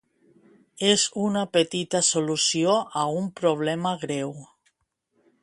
És una petita solució a un problema greu.